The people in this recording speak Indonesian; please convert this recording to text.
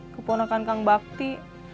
keponakan kang bakti